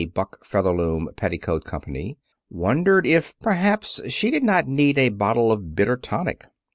Buck Featherloom Petticoat Company, wondered if, perhaps, she did not need a bottle of bitter tonic.